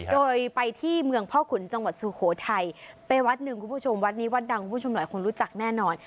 โดยไปที่เมืองพ่อขุนจังหวัดสุโขทัยไปวัดหนึ่งคุณผู้ชมวัดนี้วัดดังคุณผู้ชมหลายคนรู้จักแน่นอน